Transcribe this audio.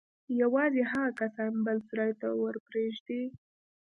يوازې هغه کسان بل سراى ته ورپرېږدي.